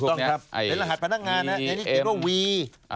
ต้องครับเป็นรหัสพนักงานอันนี้เขียนว่าวี